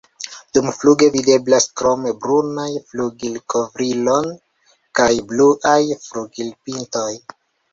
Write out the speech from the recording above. Dumfluge videblas krome brunaj flugilkovriloj kaj bluaj flugilpintoj.